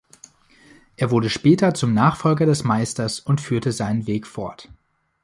Er wurde später zum Nachfolger des Meisters und führte seinen Weg fort.